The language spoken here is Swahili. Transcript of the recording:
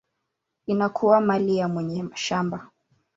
inakuwa mali ya mwenye shamba.